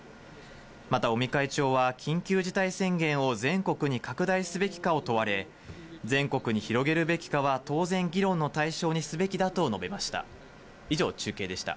また尾身会長は、緊急事態宣言を全国に拡大すべきかを問われ、全国に広げるべきかは当然、議論の対象にすべきだと述べました。